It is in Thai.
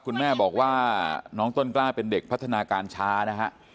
คุณแม่บอกว่าน้องต้นกล้าเป็นเด็กพัฒนาการช้านะฮะ